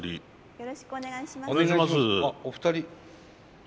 よろしくお願いします。